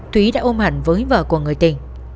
thúy đã ôm hẳn với vợ của người tình